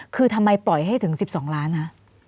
คือทำไมปล่อยให้ถึง๑๒ล้านฮะ